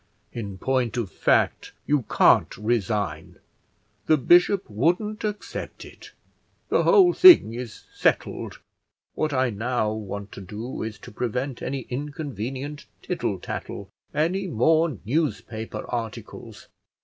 In point of fact, you can't resign; the bishop wouldn't accept it; the whole thing is settled. What I now want to do is to prevent any inconvenient tittle tattle, any more newspaper articles."